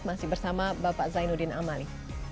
masih bersama bapak zainuddin amali